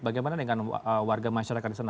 bagaimana dengan warga masyarakat di sana